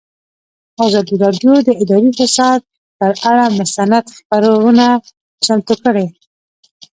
ازادي راډیو د اداري فساد پر اړه مستند خپرونه چمتو کړې.